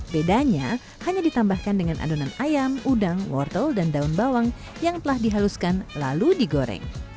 bedanya hanya ditambahkan dengan adonan ayam udang wortel dan daun bawang yang telah dihaluskan lalu digoreng